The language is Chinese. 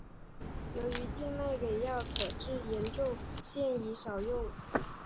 由于静脉给药可致严重现已少用。